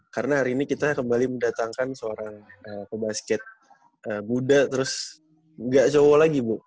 karena hari ini kita kembali mendatangkan seorang kebasket buddha terus gak cowok lagi bu